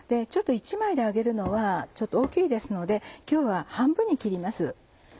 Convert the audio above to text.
１枚で揚げるのは大きいですので今日は半分に切ります。